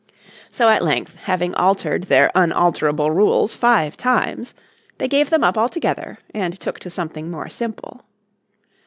So at length, having altered their unalterable rules five times, they gave them up altogether and took to something more simple.